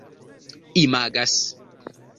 imagas